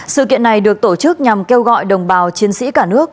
sự kiện này được tổ chức nhằm kêu gọi đồng bào chiến sĩ cả nước